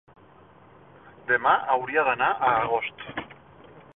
Demà hauria d'anar a Agost.